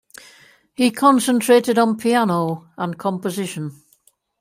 He concentrated on piano and composition.